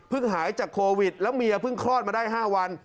หายจากโควิดแล้วเมียเพิ่งคลอดมาได้๕วัน